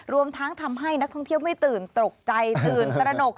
รวมทั้งทำให้นักท่องเที่ยวไม่ตื่นตกใจตื่นตระหนก